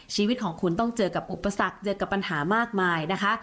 ชีวิตของคุณต้องเจอกับอุปสรรคเจอกับปัญหามากมายนะคะ